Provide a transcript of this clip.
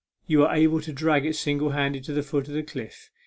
You are able to drag it single handed to the foot of the cliff.